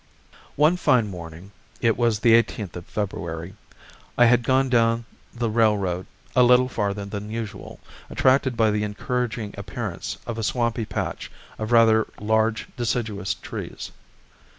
One fine morning, it was the 18th of February, I had gone down the railroad a little farther than usual, attracted by the encouraging appearance of a swampy patch of rather large deciduous trees.